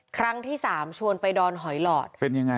ครั้งที่สามชวนไปดอนหอยหลอดเป็นยังไง